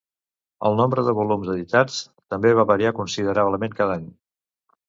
El nombre de volums editats també va variar considerablement cada any.